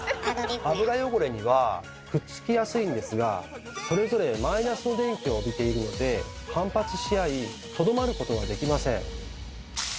油汚れにはくっつきやすいんですがそれぞれマイナスの電気を帯びているので反発し合いとどまることができません。